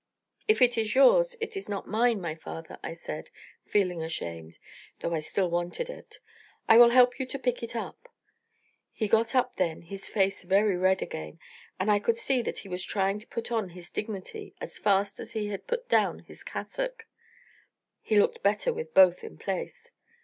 'If it is yours it is not mine, my father,' I said, feeling ashamed, though I still wanted it; 'I will help you to pick it up.' He got up then, his face very red again, and I could see that he was trying to put on his dignity as fast as he had put down his cassock he looked better with both in place.